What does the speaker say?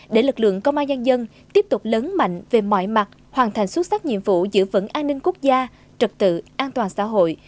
để lực lượng công an nhân dân tiếp tục lớn mạnh về mọi mặt hoàn thành xuất sắc nhiệm vụ giữ vững an ninh quốc gia trật tự an toàn xã hội